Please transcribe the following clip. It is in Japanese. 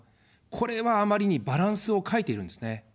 これはあまりにバランスを欠いているんですね。